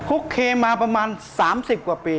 คุกเคมาประมาณ๓๐กว่าปี